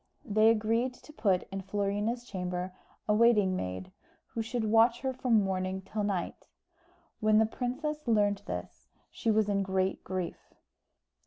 They agreed to put in Florina's chamber a waiting maid, who should watch her from morning till night. When the princess learnt this she was in great grief.